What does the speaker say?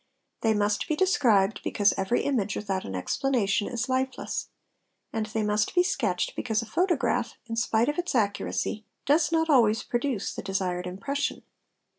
They must be described, because every image without an explanation is lifeless ; and they ~ must be sketched because a photograph, in spite of its accuracy, does not _ always produce the desired impression.